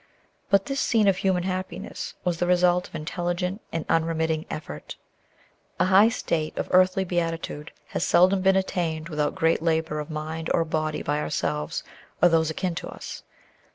But this scene of human happiness was the result of intelligent and unremitting effort. A high state of earthly beatitude has seldom been attained without great labor of mind or body by ourselves or those akin to us.